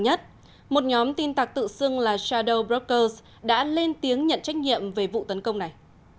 nhất một nhóm tin tạc tự xưng là shadow brokers đã lên tiếng nhận trách nhiệm về vụ tấn công này